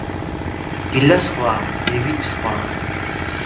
დალი სხვაა, დევი სხვაა.